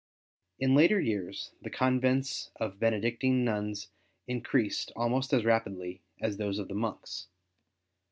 In later years the convents of Benedictine nuns increased almost as rapidly as those of the monks.